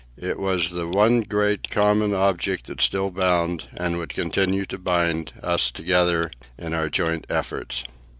It was the one great, common object that still bound, and would continue to bind, us all together in our joint efforts.